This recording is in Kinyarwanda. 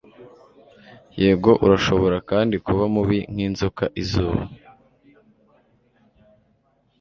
yego urashobora kandi kuba mubi nkinzoka izuba